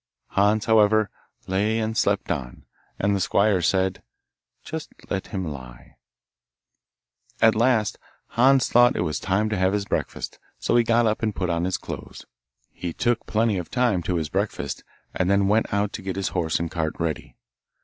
Hans, however, lay and slept on, and the squire said, 'Just let him lie.' At last, Hans thought it was time to have his breakfast, so he got up and put on his clothes. He took plenty of time to his breakfast, and then went out to get his horse and cart ready.